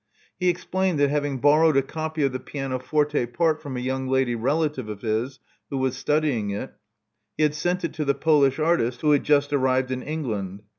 He explained that having borrowed a copy of the pianoforte part from a young lady relative of his who was studying it, he had sent it to the Polish artist, who had just arrived in England.